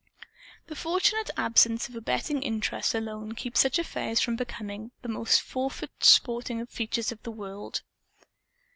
The fortunate absence of a betting interest alone keeps such affairs from becoming among the foremost sporting features of the world.